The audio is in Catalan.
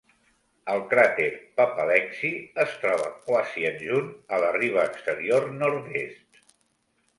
El cràter Papaleksi es troba quasi adjunt a la riba exterior nord-est.